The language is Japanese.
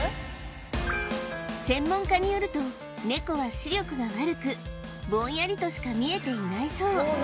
専門家によるとネコは視力が悪くボンヤリとしか見えていないそう